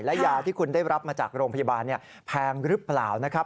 และยาที่คุณได้รับมาจากโรงพยาบาลแพงหรือเปล่านะครับ